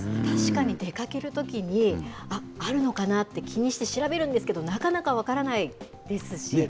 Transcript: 確かに、出かけるときに、あっ、あるのかなって気にして調べるんですけど、なかなか分からないですし。